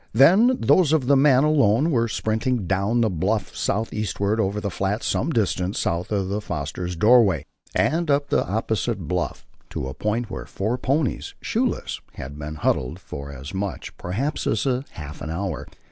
Then those of the man, alone, went sprinting down the bluff southeastward over the flats some distance south of the Foster's doorway and up the opposite bluff, to a point where four ponies, shoeless, had been huddled for as much, perhaps, as half an hour.